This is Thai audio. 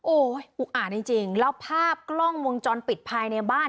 โอ้โหอุกอ่านจริงแล้วภาพกล้องวงจรปิดภายในบ้าน